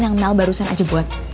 yang kenal barusan aja buat